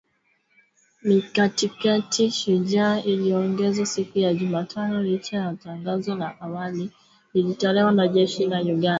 Mikakati Shujaa iliongezwa siku ya Jumatano licha ya tangazo la awali lililotolewa na jeshi la Uganda